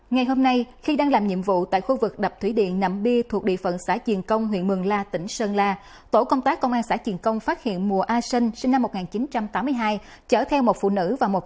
các bạn hãy đăng kí cho kênh lalaschool để không bỏ lỡ những video hấp dẫn